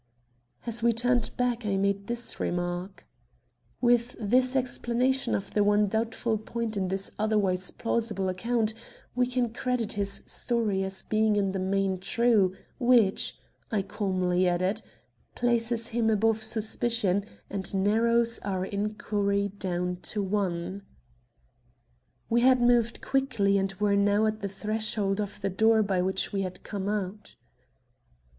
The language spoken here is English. As we turned back I made this remark: "With this explanation of the one doubtful point in his otherwise plausible account, we can credit his story as being in the main true, which," I calmly added, "places him above suspicion and narrows our inquiry down to one." We had moved quickly and were now at the threshold of the door by which we had come out.